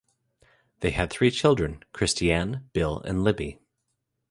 They had three children: Kristianne, Bill, and Libby.